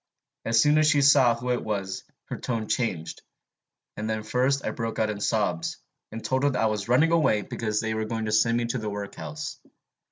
As soon as she saw who it was, her tone changed; and then first I broke out in sobs, and told her I was running away because they were going to send me to the workhouse.